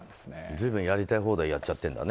随分、やりたい放題やっちゃってるんだね。